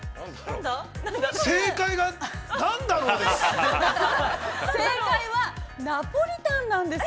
◆正解が何だろうです。